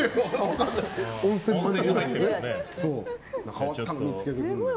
変わったの見つけてくる。